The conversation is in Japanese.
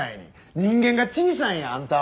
人間が小さいんやあんたは！